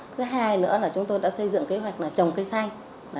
thứ hai nữa là chúng tôi đã xây dựng kế hoạch là trồng cây xanh